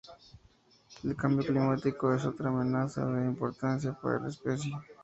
El cambio climático es otra amenaza de importancia para la especie.